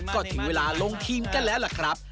ก็ถึงเวลาลงทีมกันแล้วล่ะครับ